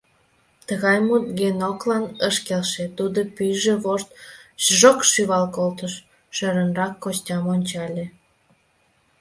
Тыгай мут Геноклан ыш келше, тудо пӱйжӧ вошт чжок шӱвал колтыш, шӧрынрак Костям ончале.